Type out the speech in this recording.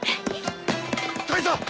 大佐。